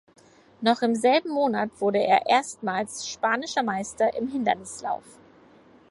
Noch im selben Monat wurde er erstmals spanischer Meister im Hindernislauf.